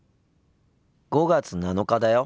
５月７日だよ。